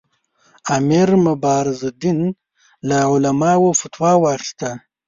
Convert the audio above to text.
امیر مبارزالدین له علماوو فتوا واخیستله.